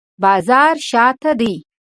بازار شاته دی